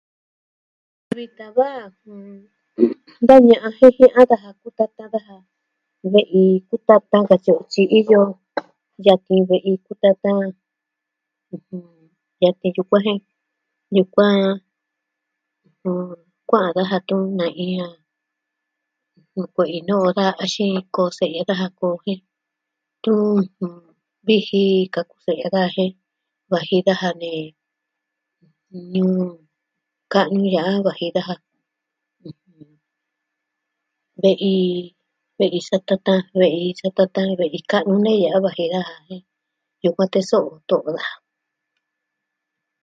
Vitan va, jɨn... da ña'an jen jen a daja kutatan daja nuu ve'i kutatan katyi o tyi iyo yatin ve'i kutatan. Da tee yukuan jen, yukuan... kua'an daja tu nee i a. Kue'i noo ka axin koo se'ya daja koo jin. Tun viji kaku se'ya daa jen, vaji daja ne nuu ka'nu ya'a vaji daja. Ve'i, ve'i satatan, ve'i satatan, ve'i ka'nu ne ya'a vaji daja jin yukuan teso'o to'o daja.